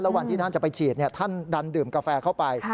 วันที่ท่านจะไปฉีดท่านดันดื่มกาแฟเข้าไป